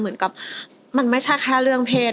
เหมือนกับมันไม่ใช่แค่เรื่องเพศ